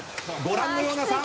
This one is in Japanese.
ご覧のような差。